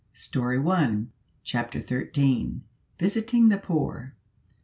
STORY ONE, CHAPTER 13. VISITING THE POOR.